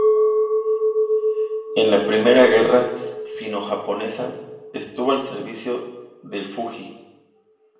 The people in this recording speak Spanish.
En la primera guerra sino-japonesa, estuvo al servicio del "Fuji".